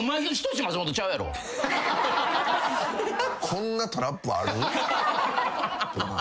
こんなトラップある？